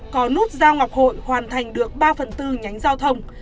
có nút giao ngọc hội hoàn thành được ba phần tư nhánh giao thông